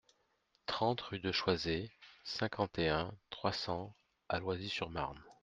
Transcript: trente rue de Choiset, cinquante et un, trois cents à Loisy-sur-Marne